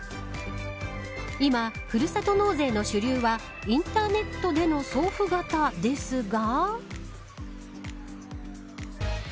今、ふるさと納税の主流はインターネットでの送付型ですが。